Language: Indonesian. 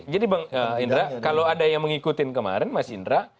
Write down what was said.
jadi bang indra kalau ada yang mengikutin kemarin mas indra